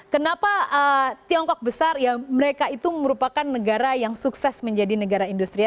kenapa tiongkok besar ya mereka itu merupakan negara yang sukses menjadi negara industri